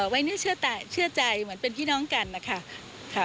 ไว้นี่เชื่อใจเหมือนเป็นพี่น้องกันนะคะ